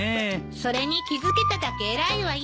それに気付けただけ偉いわよ。